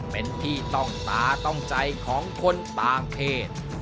เป็นที่ต้องตาต้องใจของคนต่างเพศ